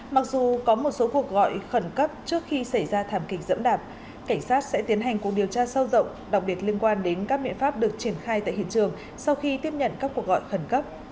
mặc dù có một số cuộc gọi khẩn cấp trước khi xảy ra thảm kịch dẫm đạp cảnh sát sẽ tiến hành cuộc điều tra sâu rộng đặc biệt liên quan đến các miệng pháp được triển khai tại hiện trường sau khi tiếp nhận các cuộc gọi khẩn cấp